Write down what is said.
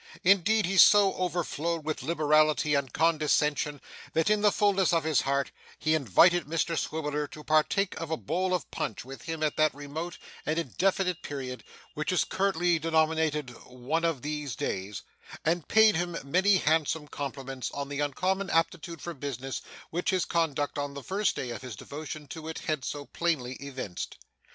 Indeed he so overflowed with liberality and condescension, that, in the fulness of his heart, he invited Mr Swiveller to partake of a bowl of punch with him at that remote and indefinite period which is currently denominated 'one of these days,' and paid him many handsome compliments on the uncommon aptitude for business which his conduct on the first day of his devotion to it had so plainly evinced.